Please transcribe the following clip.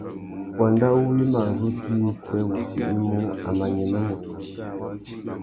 Wanda uwú i mà zu djï fê wussi i mú, a mà nyême mutu.